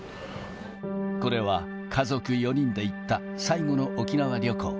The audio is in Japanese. これは家族４人で行った最後の沖縄旅行。